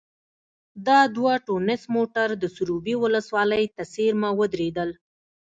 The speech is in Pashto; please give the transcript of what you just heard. دا دوه ټونس موټر د سروبي ولسوالۍ ته څېرمه ودرېدل.